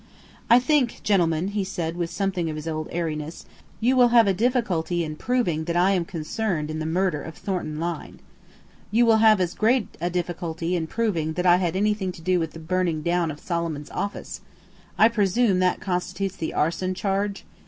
"I think, gentlemen," he said with something of his old airiness, "you will have a difficulty in proving that I am concerned in the murder of Thornton Lyne. You will have as great a difficulty in proving that I had anything to do with the burning down of Solomon's office I presume that constitutes the arson charge?